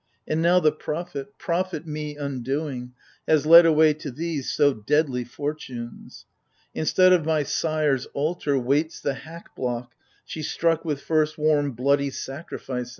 And now the Prophet — prophet me undoing, Has led away to these so deadly fortunes ! Instead of my sire's altar, waits the hack block She struck with first warm bloody sacrificing